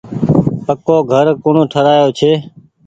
پڪو گھر ڪوڻ ٺرآيو ڇي۔